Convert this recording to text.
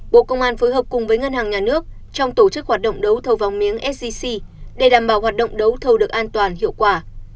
bộ công an phối hợp cùng với ngân hàng nhà nước trong tổ chức hoạt động đấu thầu vàng miếng sgc để đảm bảo hoạt động đấu thầu được an toàn hiệu quả